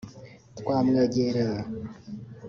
twamwegereye